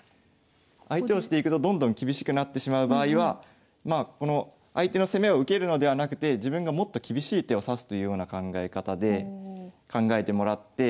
相手をしていくとどんどん厳しくなってしまう場合は相手の攻めを受けるのではなくて自分がもっと厳しい手を指すというような考え方で考えてもらって。